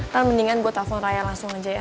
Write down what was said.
kan mendingan gue telfon raya langsung aja ya